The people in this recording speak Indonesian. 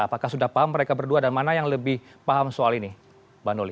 apakah sudah paham mereka berdua dan mana yang lebih paham soal ini bang doli